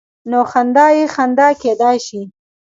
نو خندا یې خنډ کېدای شي.